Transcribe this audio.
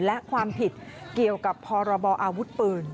และความผิดเกี่ยวกับพรบออาวุธปืน